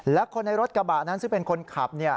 และคนในรถกระบะนั้นซึ่งเป็นคนขับ